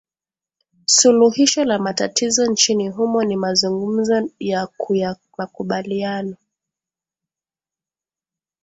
suluhisho la matatizo nchini humo ni mazungumzo ya ku ya makubaliano